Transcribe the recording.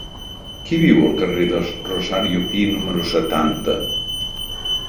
Qui viu al carrer de Rosario Pi número setanta?